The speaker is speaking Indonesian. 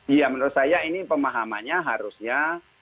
iya menurut saya ini pemahamannya harusnya